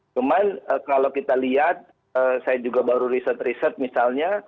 cuman kalau kita lihat saya juga baru riset riset misalnya